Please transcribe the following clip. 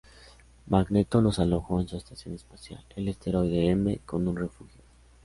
Magneto los alojó en su estación espacial, el Asteroide M, como un refugio.